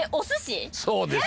そうですよ。